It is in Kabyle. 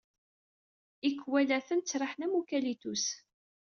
Ikwalaten ttraḥen am ukalitus.